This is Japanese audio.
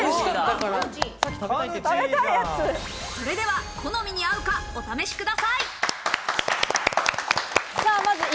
それでは好みに合うかお試しください。